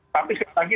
tapi sekali lagi